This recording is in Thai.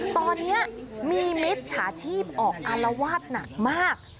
ตอนนี้มีมิตรฉาชีพออกอารวาสหนักมาก